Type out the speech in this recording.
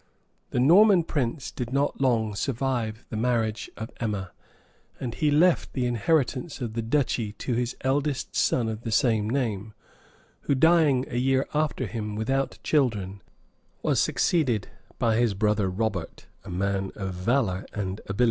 [] The Norman prince did not long survive the marriage of Emma; and he left the inheritance of the duchy to his eldest son of the same name; who, dying a year after him without children, was succeeded by his brother Robert, a man of valor and abilities.